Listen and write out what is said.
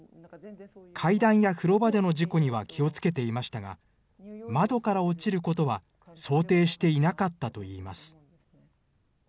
階段や風呂場での事故には、気をつけていましたが、窓から落ちることは想定していなかったといいます。